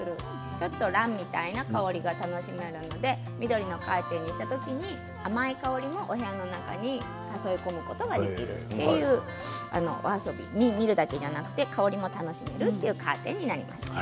ちょっとランみたいな香りがするので緑のカーテンにした時に甘い香りも、お部屋の中に誘い込むことができるというお遊び、見るだけではなく香りも楽しめるカーテンになります。